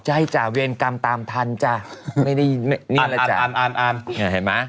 ใช่จ้าเวียนกรรมตามทันจ้าไม่ได้ยินอ่านเห็นไหม